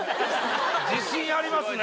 自信ありますね！